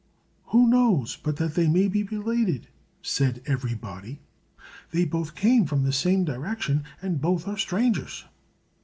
"Who knows but that they may be related?" said everybody. "They both came from the same direction, and both are strangers."